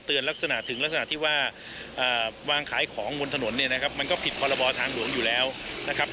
ลักษณะถึงลักษณะที่ว่าวางขายของบนถนนเนี่ยนะครับมันก็ผิดพรบทางหลวงอยู่แล้วนะครับ